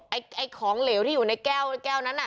ไอ้ของเหลวที่อยู่ในแก้วแก้วนั้นน่ะ